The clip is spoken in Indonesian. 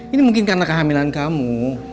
ini mungkin karena kehamilan kamu